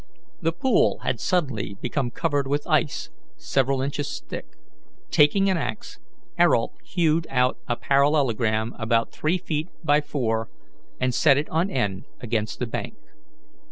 The pool had suddenly become covered with ice several inches thick. Taking an axe, Ayrault hewed out a parallelogram about three feet by four and set it on end against the bank.